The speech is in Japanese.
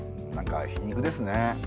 なんか皮肉ですね。